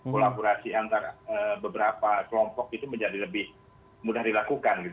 kolaborasi antara beberapa kelompok itu menjadi lebih mudah dilakukan